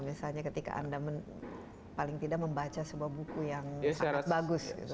misalnya ketika anda paling tidak membaca sebuah buku yang sangat bagus